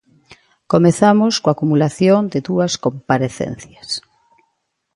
Comezamos coa acumulación de dúas comparecencias.